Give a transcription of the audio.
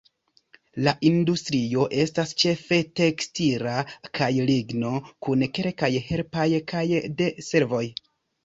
La industrio estas ĉefe tekstila kaj ligno, kun kelkaj helpaj kaj de servoj.